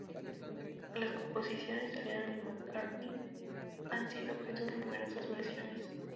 Las composiciones de Lennon y McCartney han sido objeto de numerosas versiones.